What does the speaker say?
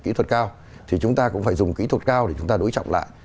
kỹ thuật cao thì chúng ta cũng phải dùng kỹ thuật cao để chúng ta đối trọng lại